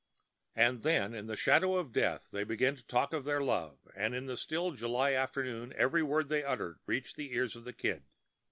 And then, in the shadow of death, they began to talk of their love; and in the still July afternoon every word they uttered reached the ears of the Kid.